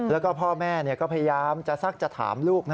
แล้วก็พ่อแม่ก็พยายามจะซักจะถามลูก